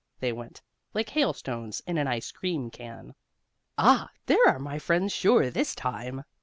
they went, like hailstones in an ice cream can. "Ah, there are my friends, sure, this time!"